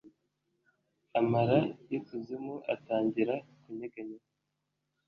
amara y'ikuzimu atangira kunyeganyega